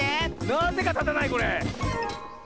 なぜかたたないこれ。